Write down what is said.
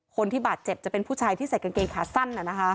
คนที่บาดเจ็บจะเป็นผู้ชายที่ใส่กางเกงขาสั้น